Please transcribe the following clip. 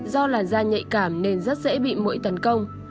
do làn da nhạy cảm nên rất dễ bị mũi tấn công